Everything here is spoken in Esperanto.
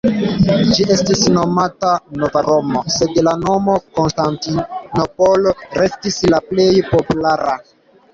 Ĝi estis nomata "Nova Romo", sed la nomo Konstantinopolo restis la plej populara.